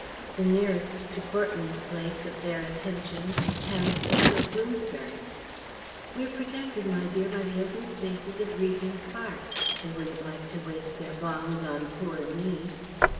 The nearest to Portland Place of their attentions was Hampstead or Bloomsbury. "We are protected, my dear, by the open spaces of Regent's Park. They wouldn't like to waste their bombs on poor me!"